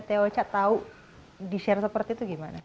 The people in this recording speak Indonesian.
teo ocha tau di share seperti itu gimana